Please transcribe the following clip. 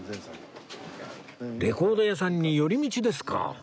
レコード屋さんに寄り道ですか？